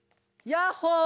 ・ヤッホー！